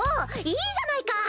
いいじゃないか！